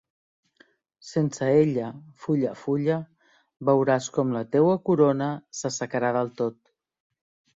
Sense ella, fulla a fulla, veuràs com la teua corona, s'assecarà del tot.